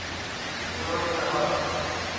انہوں نے کہا